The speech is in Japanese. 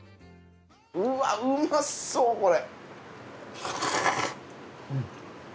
うわうまそうこれ。